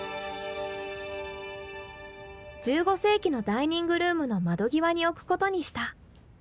１５世紀のダイニングルームの窓際に置くことにした。